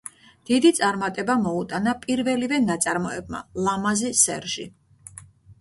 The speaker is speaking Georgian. დიდი წარმატება მოუტანა პირველივე ნაწარმოებმა „ლამაზი სერჟი“.